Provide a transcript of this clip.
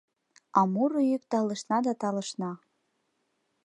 А муро йӱк талышна да талышна.